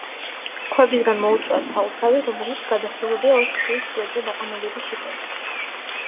ქვებისაგან მოუწყვიათ სალოცავი, რომელიც გადახურულია ოთხ ხის სვეტზე დაყრდნობილი შიფერით.